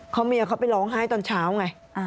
เขาเมียเขาก็ไปร้องหายตอนเช้าไง